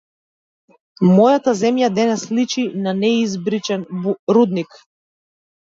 Мојата земја денес личи на неизбричен рудник.